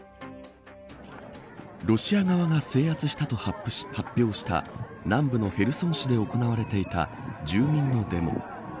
ロシア側が制圧したと発表した南部のヘルソン市で行われていた住民のデモ。